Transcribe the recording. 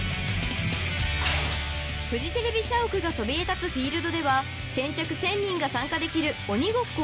［フジテレビ社屋がそびえ立つフィールドでは先着１，０００人が参加できる鬼ごっこを２４時間開催］